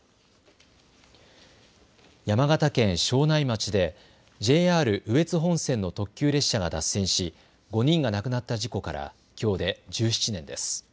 山形県庄内町でＪＲ羽越本線の特急列車が脱線し５人が亡くなった事故からきょうで１７年です。